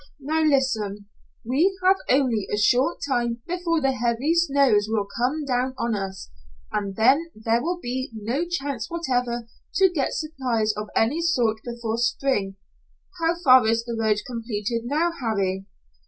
"Now, listen. We have only a short time before the heavy snows will come down on us, and then there will be no chance whatever to get supplies of any sort before spring. How far is the road completed now, Harry?"